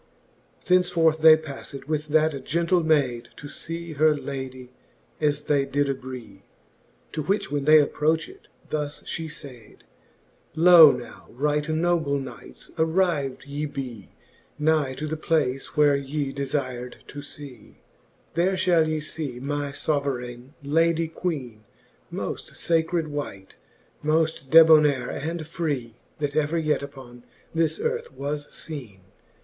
XX. Thence forth they pafTed with that gentle mayd, To fee her ladie, as they did agree. To which when fhe approched, thus fhe fayd; Loe now, right noble knights, arrivd ye bee Nigh to the place, which ye delir'd to fee : There fhall ye fee my fbverayne Lady Qiieene Moft facred wight, mofl: debonayre and free, That ever yet upon this earth was feene.